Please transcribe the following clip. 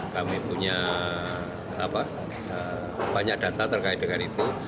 kami punya banyak data terkait dengan itu